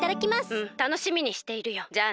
うんたのしみにしているよじゃあな。